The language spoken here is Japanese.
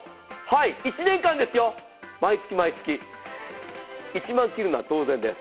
１年間ですよ、毎月毎月、１万切るのは当然です。